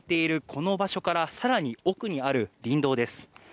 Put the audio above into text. この場所からさらに奥にある林道です。